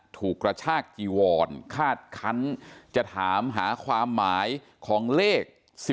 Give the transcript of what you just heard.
ถูกกระชากจีวอนคาดคันจะถามหาความหมายของเลข๑๒